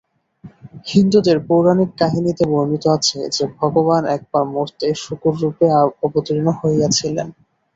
হিন্দুদিগের পৌরাণিক কাহিনীতে বর্ণিত আছে যে, ভগবান একবার মর্ত্যে শূকররূপে অবতীর্ণ হইয়াছিলেন।